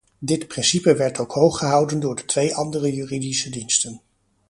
Dit principe werd ook hooggehouden door de twee andere juridische diensten.